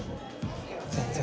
全然。